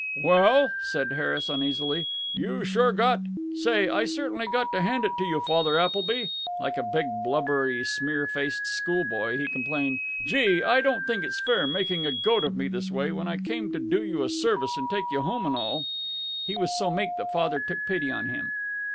"Well," said Harris, uneasily, "you sure got Say, I certainly got to hand it to you, Father Appleby." Like a big, blubbery, smear faced school boy he complained, "Gee! I don't think it's fair, making a goat of me this way, when I came to do you a service and take you home and all." He was so meek that Father took pity on him.